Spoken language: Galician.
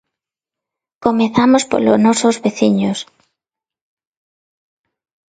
Comezamos polo nosos veciños.